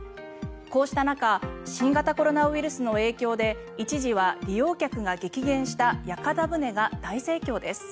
こうした中新型コロナウイルスの影響で一時は利用客が激減した屋形船が大盛況です。